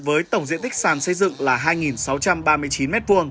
với tổng diện tích sàn xây dựng là hai sáu trăm ba mươi chín m hai